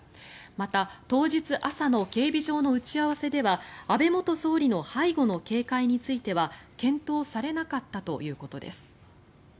また、当日朝の警備上の打ち合わせでは安倍元総理の背後の警戒については検討されなかったということです。